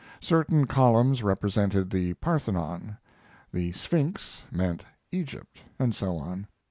Certain columns represented the Parthenon; the Sphinx meant Egypt, and so on.